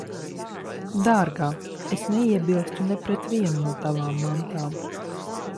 Dārgā, es neiebilstu ne pret vienu no tavām mantām.